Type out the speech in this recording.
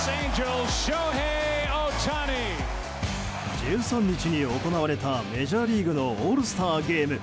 １３日に行われたメジャーリーグのオールスターゲーム。